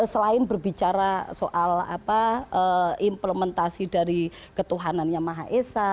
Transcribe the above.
selain berbicara soal implementasi dari ketuhanannya maha esa